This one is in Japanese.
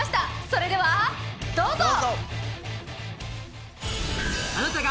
それではどうぞ！